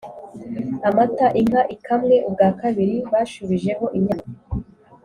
amata inka ikamwe ubwa kabiri bashubijeho inyana